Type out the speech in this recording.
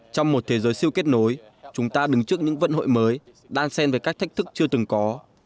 trong một thế giới siêu kết nối chúng ta đứng trước những vận hội mới đan sen với các thách thức chưa từng có